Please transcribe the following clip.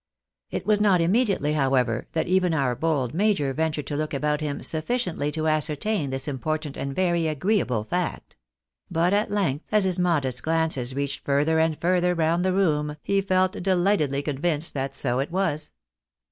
It was not immediately, however, that even our bold major ventured to look about him sufiiciently to ascertain this important and very agreeable fact ; but at length, as his modest glances reached further and further round the room, he felt delightedly convinced that so it was.